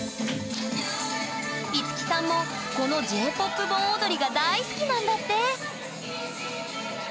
樹さんもこのＪ−ＰＯＰ盆踊りが大好きなんだって！